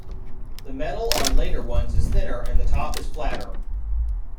The metal on later ones is thinner and the top is flatter.